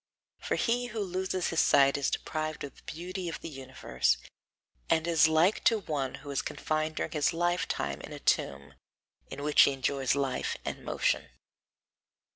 For he who loses his sight is deprived of the beauty of the universe, and is like to one who is confined during his lifetime in a tomb, in which he enjoys life and motion.